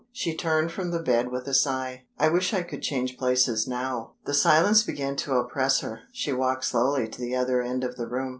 _" She turned from the bed with a sigh. "I wish I could change places now!" The silence began to oppress her. She walked slowly to the other end of the room.